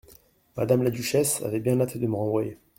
Madame la duchesse avait bien hâte de me renvoyer.